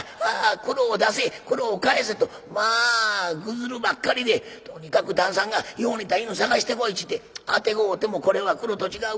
クロを出せクロを返せ』とまあぐずるばっかりでとにかく旦さんが『よう似た犬探してこい』っちゅってあてごうても『これはクロと違う。